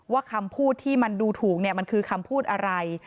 คำพูดที่มันดูถูกเนี่ยมันคือคำพูดอะไร